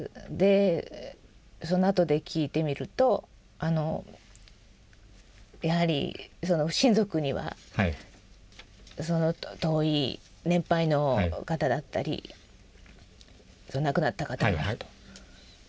そのあとで聞いてみるとやはり親族には遠い年配の方だったり亡くなった方がいると。